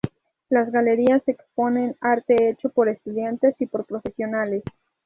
Las Galerías exponen arte hecho por estudiantes y por profesionales.